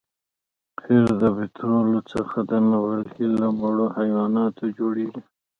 قیر د پطرولو څخه نه بلکې له مړو حیواناتو جوړیږي